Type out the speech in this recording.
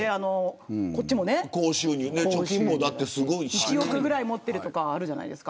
１億ぐらい持っているという話もあるじゃないですか。